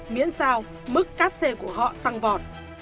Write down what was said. miễn sao mức cát xe của họ tăng vọt